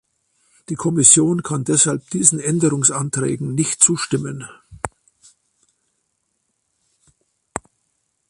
Die Kommission kann deshalb diesen Änderungsanträgen nicht zustimmen.